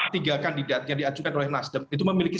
tiga kandidat yang diajukan oleh nasdem itu memiliki